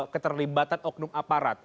keterlibatan oknum aparat